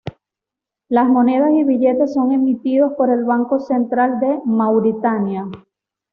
Las monedas y billetes son emitidos por el Banco Central de Mauritania.